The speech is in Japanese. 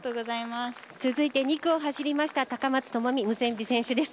続いて２区を走りました高松智美ムセンビ選手です。